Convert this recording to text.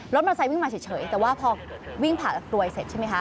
รถมอเตอร์ไซส์วิ่งมาเฉยแต่ว่าพอวิ่งผ่ากลวยเสร็จใช่ไหมคะ